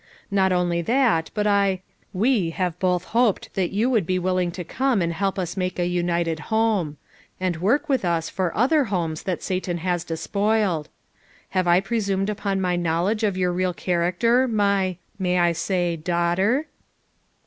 Not only Hint, hut T— wo havo both hoped that you would bo willing to coma and help im make a untied honio; and work willi ua for other homoa that Raliui Iiiih doapoHnd, Have i pre Humeri upon my knowledge of your real char actor, my— w// T aay daughter?